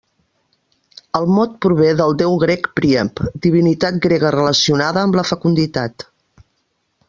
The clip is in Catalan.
El mot prové del déu grec Príap, divinitat grega relacionada amb la fecunditat.